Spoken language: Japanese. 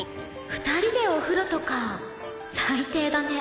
２人でお風呂とか最低だね。